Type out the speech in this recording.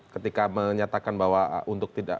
ketika menyatakan bahwa untuk tidak